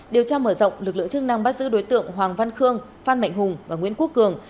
điều tra mở rộng lực lượng chức năng bắt giữ đối tượng hoàng văn khương phan mạnh hùng và nguyễn quốc cường